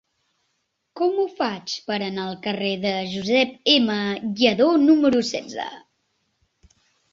Com ho faig per anar al carrer de Josep M. Lladó número setze?